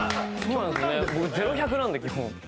僕、０・１００なんで基本。